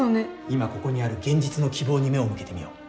いまここにある現実の希望に目を向けてみよう。